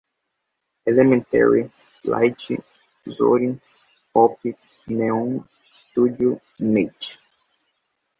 elementary, lite, zorin, pop, neon, studio, mate